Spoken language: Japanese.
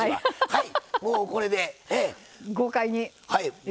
はい。